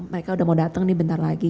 mereka udah mau datang nih bentar lagi